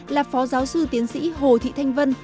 là phó giáo sư tiến sĩ hồ thị thanh vân